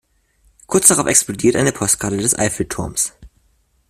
Kurz darauf explodiert eine Postkarte des Eiffelturms.